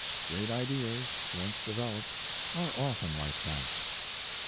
Great ideas, once developed, are often like that.